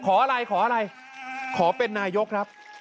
ขออะไรขอเป็นนายกครับ